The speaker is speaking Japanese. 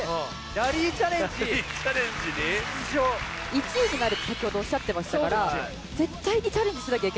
１位になると先ほどおっしゃってましたから絶対にチャレンジしなきゃいけない事に。